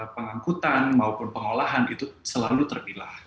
pengangkutan maupun pengolahan itu selalu terpilah